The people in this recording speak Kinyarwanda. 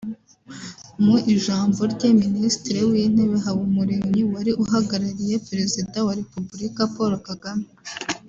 Mu ijambo rye Minisitiri w’Intebe Habumuremyi wari uhagarariye Perezida wa Repubulika Paul Kagame